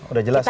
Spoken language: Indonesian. sudah jelas ya